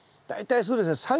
大体そうですね